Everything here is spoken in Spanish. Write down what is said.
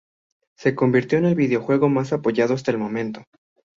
Se convirtió en el videojuego más apoyado hasta el momento.